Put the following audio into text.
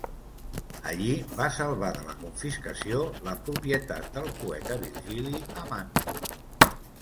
Allí va salvar de la confiscació la propietat del poeta Virgili a Màntua.